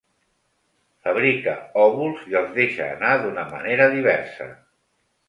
Fabrica òvuls i els deixa anar d'una manera diversa.